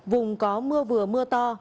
vùng có mưa vừa mưa to